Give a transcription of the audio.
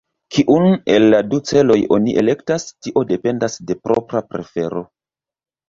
Kiun el la du celoj oni elektas, tio dependas de propra prefero.